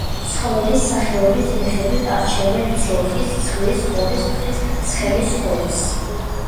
ცხოველის სახეობის მიხედვით არჩევენ ძროხის, ცხვრის, ღორის, თხის, ცხენის ხორცს.